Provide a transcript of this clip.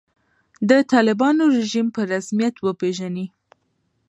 د طالبانو رژیم په رسمیت وپېژني.